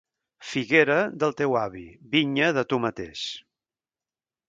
Figuera, del teu avi; vinya, de tu mateix.